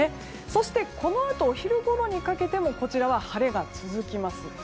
そして、このあとお昼ごろにかけてもこちらは晴れが続きます。